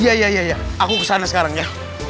iya iya ya aku kesana sekarang ya